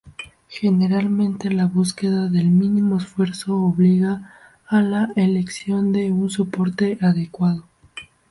Generalmente, la búsqueda del mínimo esfuerzo obliga a la elección de un soporte adecuado.